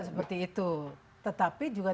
seperti itu tetapi juga